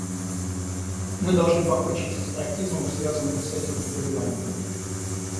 Мы должны покончить с остракизмом, связанным с этим заболеванием.